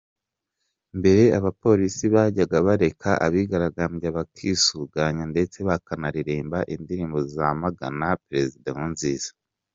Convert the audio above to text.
Mbere abapolisi bajyaga bareka abigaragambya bakisuganya ndetse bakanaririmba indirimbo zamagana Perezida Nkurunziza.